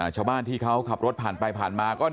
ชาวบ้านที่เขาขับรถผ่านไปผ่านมาก็